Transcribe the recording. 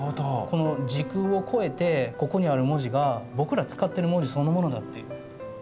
この時空を超えてここにある文字が僕ら使ってる文字そのものだっていう。